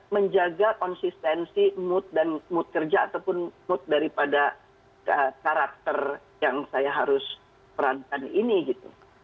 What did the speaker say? menjaga konsistensi mood dan mood kerja ataupun mood daripada karakter yang saya harus perankan ini gitu